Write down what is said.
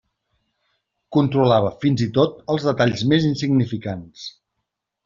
Controlava fins i tot els detalls més insignificants.